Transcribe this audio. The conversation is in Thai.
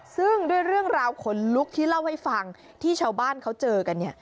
ซึ่งด้วยเรื่องราวขนลุกที่เล่าให้ฟังที่ชาวบ้านเขาเจอกันเนี่ย